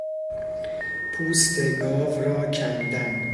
پوست گاو را کندن